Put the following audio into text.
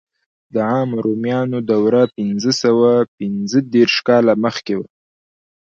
د عامو رومیانو دوره پنځه سوه پنځه دېرش کاله مخکې وه.